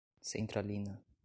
Centralina